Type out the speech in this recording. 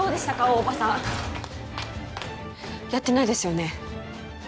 大庭さんやってないですよね？